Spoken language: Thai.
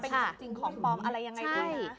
เป็นจริงของฟอร์มอะไรยังไงก็นะ